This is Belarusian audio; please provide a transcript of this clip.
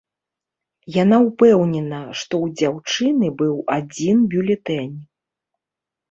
Яна ўпэўнена, што ў дзяўчыны быў адзін бюлетэнь.